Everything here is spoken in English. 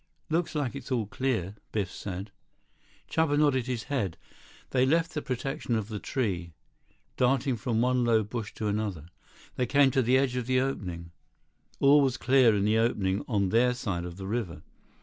"Looks like it's all clear," Biff said. Chuba nodded his head. They left the protection of the tree. Darting from one low bush to another, they came to the edge of the opening. All was clear in the opening on their side of the river.